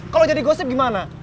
kalau jadi gosip gimana